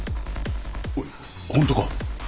おいホントか？